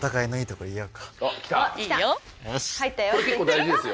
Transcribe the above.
これ結構大事ですよ。